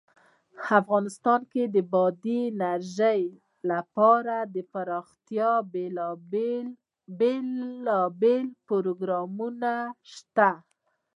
افغانستان کې د بادي انرژي لپاره دپرمختیا بېلابېل پروګرامونه شته.